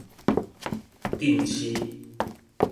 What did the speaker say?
鎮星